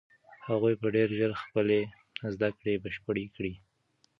هغوی به ډېر ژر خپلې زده کړې بشپړې کړي.